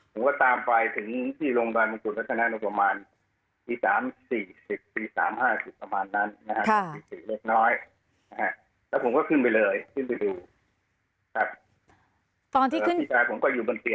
ผมก็ตามไปถึงที่โรงพยาบาลมงคุณวัฒนะ